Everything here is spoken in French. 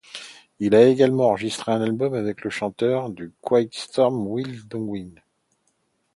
Il a également enregistré un album avec le chanteur de quiet storm Will Downing.